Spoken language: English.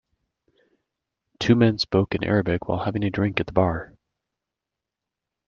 Two men spoke in Arabic while having a drink at the bar.